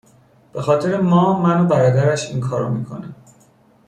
به خاطر ما من و برادرش این کارو میکنه